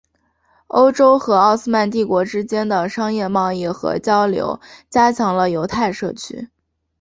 欧洲和奥斯曼帝国之间的商业贸易和交流加强了犹太社区。